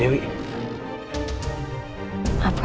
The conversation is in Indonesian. wah kok dirijek sama dia